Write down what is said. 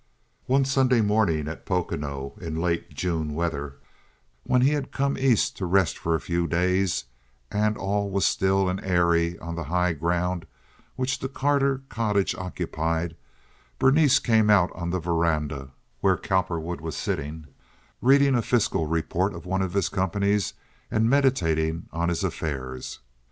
One Sunday morning at Pocono, in late June weather, when he had come East to rest for a few days, and all was still and airy on the high ground which the Carter cottage occupied, Berenice came out on the veranda where Cowperwood was sitting, reading a fiscal report of one of his companies and meditating on his affairs.